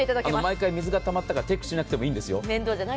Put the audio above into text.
毎回水がたまったかチェックしなくていいんですよ。